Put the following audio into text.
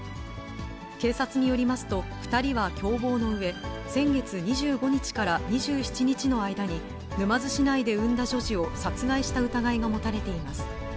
警察によりますと、２人は共謀のうえ、先月２５日から２７日の間に、沼津市内で産んだ女児を殺害した疑いが持たれています。